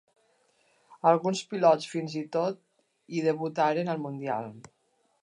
Alguns pilots fins i tot hi debutaren al Mundial.